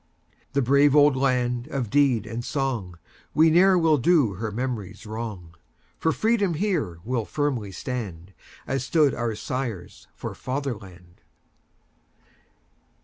The brave old land of deed and song, We ne'er will do her memories wrong! For freedom here we'll firmly stand, As stood our sires for Fatherland!